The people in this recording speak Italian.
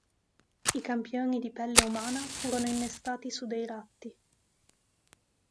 I campioni di pelle umana furono innestati su dei ratti.